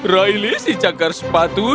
riley si cakar sepatu